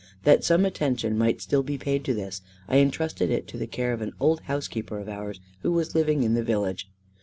That some attention might still be paid to this, I entrusted it to the care of an old housekeeper of ours, who was living in the village.